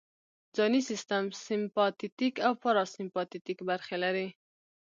ځانی سیستم سمپاتیتیک او پاراسمپاتیتیک برخې لري